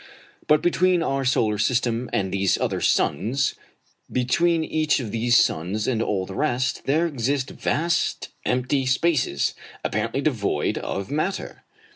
But between our solar system and these other suns between each of these suns and all the rest there exist vast empty spaces, apparently devoid of matter.